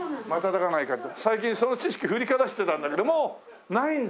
最近その知識振りかざしてたんだけどもうないんだ。